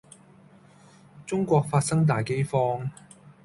中國發生大饑荒